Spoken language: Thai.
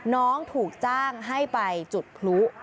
น้องถูกจ้างให้ไปจุดพลุ